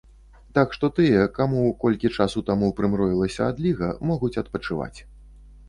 Так што тыя, каму колькі часу таму прымроілася адліга, могуць адпачываць.